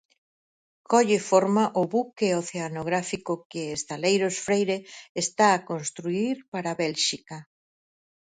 Colle forma o buque oceanográfico que Estaleiros Freire está a construír para Bélxica.